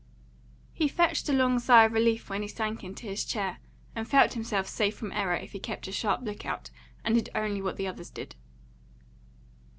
He fetched a long sigh of relief when he sank into his chair and felt himself safe from error if he kept a sharp lookout and did only what the others did.